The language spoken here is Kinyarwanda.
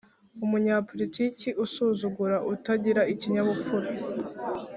Umunyapolitiki usuzugura, utagira ikinyabupfura